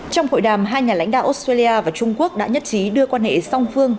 trong hội đàm hai nhà lãnh đạo australia và trung quốc đã nhất trí đưa quan hệ song phương